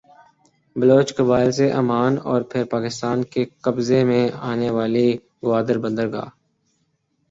بلوچ قبائل سے عمان اور پھر پاکستان کے قبضے میں آنے والی گوادربندرگاہ